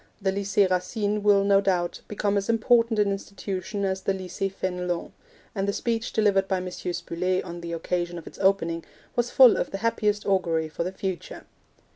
The Lycee Racine will, no doubt, become as important an institution as the Lycee Fenelon, and the speech delivered by M. Spuller on the occasion of its opening was full of the happiest augury for the future.